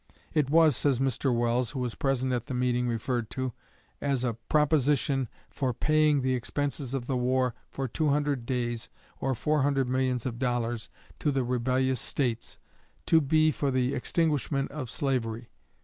It was, says Mr. Welles, who was present at the meeting referred to, as "a proposition for paying the expenses of the war for two hundred days, or four hundred millions of dollars, to the rebellious States, to be for the extinguishment of slavery.